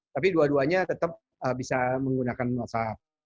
tapi dua duanya tetap bisa menggunakan whatsapp